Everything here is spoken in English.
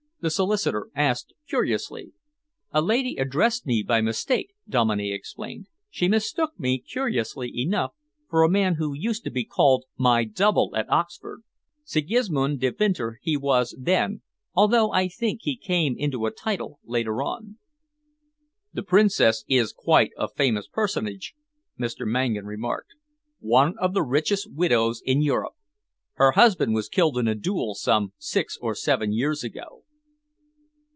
the solicitor asked curiously. "A lady addressed me by mistake," Dominey explained. "She mistook me, curiously enough, for a man who used to be called my double at Oxford. Sigismund Devinter he was then, although I think he came into a title later on." "The Princess is quite a famous personage," Mr. Mangan remarked, "one of the richest widows in Europe. Her husband was killed in a duel some six or seven years ago."